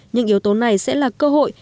những yếu tố này sẽ là cơ hội